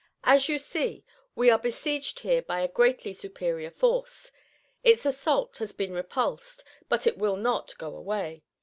As you see, we are besieged here by a greatly superior force. Its assault has been repulsed, but it will not go away.